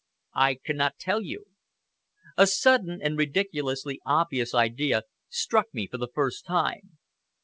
"I cannot tell you!" A sudden and ridiculously obvious idea struck me for the first time.